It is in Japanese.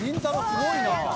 すごいな。